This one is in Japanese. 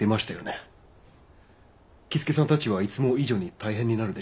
僖助さんたちはいつも以上に大変になるでしょう。